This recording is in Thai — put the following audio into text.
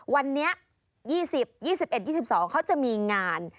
วันนี้๒๐๒๑๒๒เขาจะมีงาน